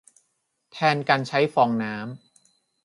แทนการใช้ฟองน้ำ